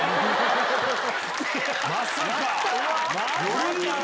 まさか！